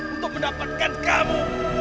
untuk mendapatkan kamu